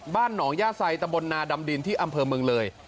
บ้านหนองย่าไซตะบนนาดำดินที่อำเภอเมืองเลย